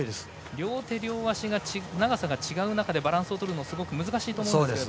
両手両足が長さが違う中でバランスとるのすごく難しいと思いますが。